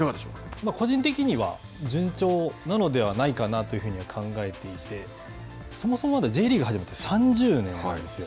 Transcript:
個人的には順調なのではないかなというふうに考えていてそもそもＪリーグが始まって３０年なんですよ。